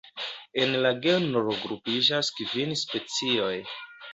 En la genro grupiĝas kvin specioj.